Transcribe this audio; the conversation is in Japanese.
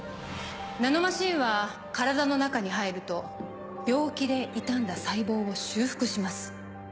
ナノマシンは体の中に入ると病気で傷んだ細胞を修復します